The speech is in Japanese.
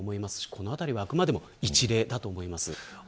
このあたりは、あくまで一例だと思います。